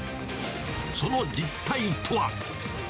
その実態とは。